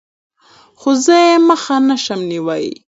خو زه يې مخه نشم نيوى.